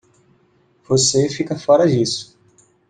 Você fica fora disso.